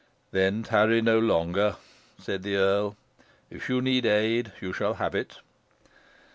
"Then tarry no longer," said the earl; "if you need aid you shall have it."